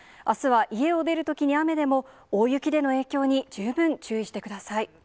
あすは家を出るときに雨でも、大雪での影響に十分注意してください。